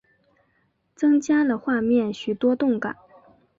增加了画面许多动感